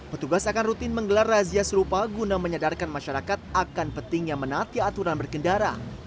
petugas akan rutin menggelar razia serupa guna menyadarkan masyarakat akan pentingnya menati aturan berkendara